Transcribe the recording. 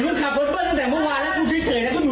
มันก็ต้องออกอยู่ดีอ่ะวันนี้